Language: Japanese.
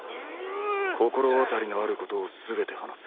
心当たりのあることを全て話せ。